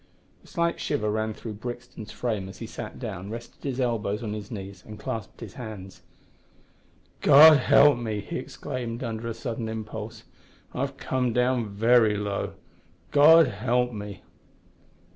A slight shiver ran through Brixton's frame as he sat down, rested his elbows on his knees, and clasped his hands. "God help me!" he exclaimed, under a sudden impulse, "I've come down very low, God help me!"